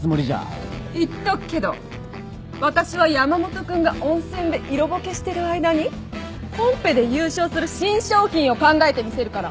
言っとくけど私は山本君が温泉で色ぼけしてる間にコンペで優勝する新商品を考えてみせるから。